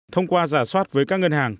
thông qua giả soát với các ngân hàng